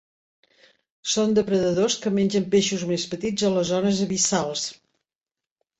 Són depredadors que mengen peixos més petits a les zones abissals.